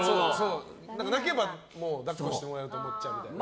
泣けば抱っこしてもらえると思っちゃうんだよね。